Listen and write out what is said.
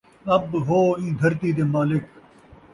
سب ہو ایں دھرتی دے مالک